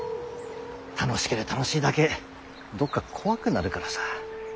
楽しけりゃ楽しいだけどっか怖くなるからさ。